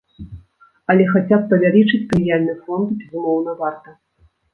Але хаця б павялічыць прэміяльны фонд, безумоўна, варта.